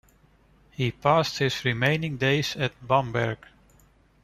He passed his remaining days at Bamberg.